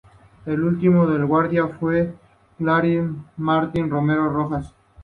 El último celoso guardián fue don Martín Romero Rojas.